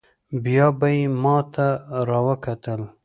بيا به يې ما ته راوکتل.